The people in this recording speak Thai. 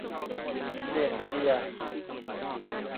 เปลี่ยนเกียร์